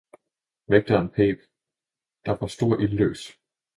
vægteren peb, der var stor ildløs.